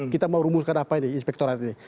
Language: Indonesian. kita mau rumuskan apa ini inspektorat ini